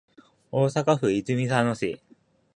大阪府泉佐野市